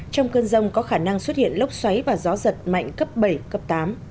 trong cơn rông có khả năng xuất hiện lốc xoáy và gió giật mạnh cấp bảy cấp tám